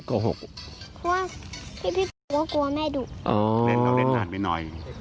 อ๋อเล่นเราเล่นนานไปหน่อย